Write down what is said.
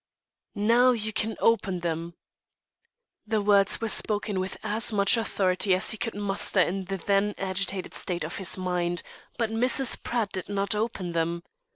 "Now you can open them." The words were spoken with as much "authority" as he could muster in the then agitated state of his mind; but Mrs. Pratt did not open them.